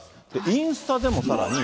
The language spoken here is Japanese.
インスタでもさらに。